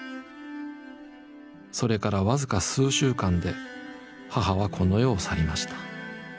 それから僅か数週間で母はこの世を去りました。